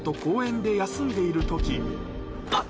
あっ！